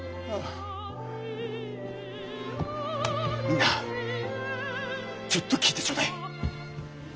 みんなちょっと聞いてちょうだい。